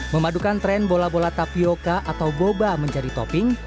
memadukan tren bola bola tapioca atau boba menjadi topping